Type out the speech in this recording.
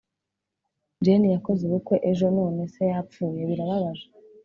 jane yakoze ubukwe ejo none se yapfuye. birababaje.